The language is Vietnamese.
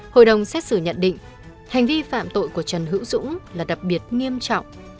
hội đồng xét xử nhận định hành vi phạm tội của trần hữu dũng là đặc biệt nghiêm trọng